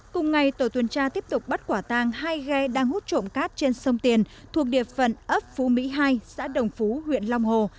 cùng ngày tổ tuần tra tiếp tục bắt quả tang hai ghe đang hút trộm cát trên sông tiền thuộc địa phận ấp phú mỹ hai xã đồng phú huyện long hồ